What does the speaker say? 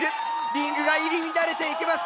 リングが入り乱れていきます！